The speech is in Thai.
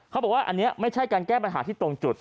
เขาบอกว่าอันนี้ไม่ใช่การแก้ปัญหาที่ตรงจุด